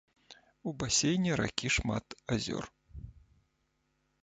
У басейне ракі шмат азёр.